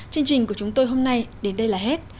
chương trình của chúng tôi hôm nay đến đây là hết